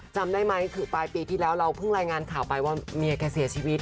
จำได้ไหมคือปลายปีที่แล้วเราเพิ่งรายงานข่าวไปว่าเมียแกเสียชีวิต